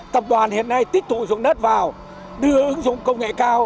tập đoàn hiện nay tiếp tục dùng đất vào đưa ứng dụng công nghệ cao